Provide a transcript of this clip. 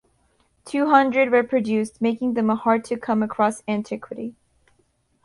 Two hundred were produced, making them a hard to come across antiquity.